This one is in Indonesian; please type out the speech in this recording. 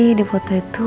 apa sih cara eingat dua